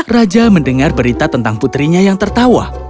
raja mendengar berita tentang putrinya yang tertawa